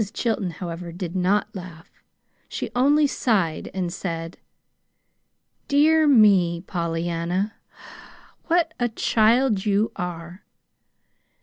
Mrs. Chilton, however, did not laugh. She only sighed and said: "Dear me, Pollyanna, what a child you are!"